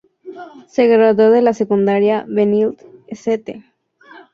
Se graduó de la secundaria Benilde-St.